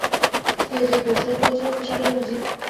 সে যে কৌশল করেছিল ফেঁসে গেল বুঝি।